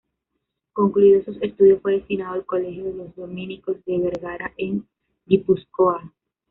Concluidos sus estudios fue destinado al Colegio de los Dominicos de Vergara, en Guipúzcoa.